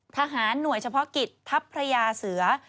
ทหารหน่วยเฉพาะกิจทัพพระยาเสือ